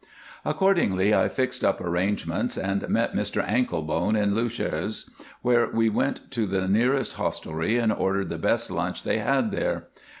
Accordingly, I fixed up arrangements and met Mr Anklebone at Leuchars, where we went to the nearest hostelry and ordered the best lunch they had there.